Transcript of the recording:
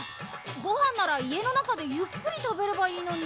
ごはんならいえのなかでゆっくりたべればいいのに。